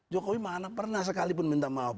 jokowi pernah sekalipun minta maaf